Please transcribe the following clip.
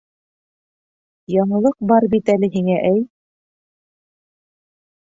Яңылыҡ бар бит әле һиңә, әй!